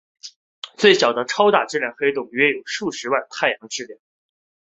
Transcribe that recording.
最小的超大质量黑洞约有数十万太阳质量。